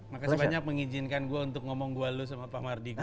makasih banyak mengizinkan gue untuk ngomong gua lu sama pak mardigu